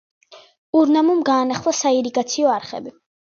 ურ-ნამუმ განაახლა საირიგაციო არხები.